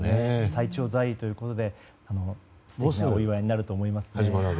最長在位ということで素敵なお祝いになると思います。